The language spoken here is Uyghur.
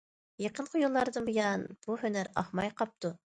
يېقىنقى يىللاردىن بۇيان، بۇ ھۈنەر ئاقماي قاپتۇ.